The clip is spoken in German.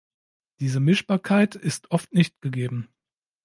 Diese Mischbarkeit ist oft nicht gegeben.